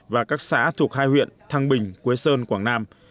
và các xã thuộc hai huyện thăng bình quế sơn quảng nam